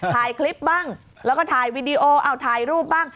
ถ่ายคลิปบ้างแล้วก็ถ่ายวีดีโอเอาถ่ายรูปบ้าง